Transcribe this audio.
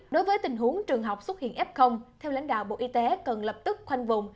đối với tình huống trường học xuất hiện f theo lãnh đạo bộ y tế cần lập tức khoanh vùng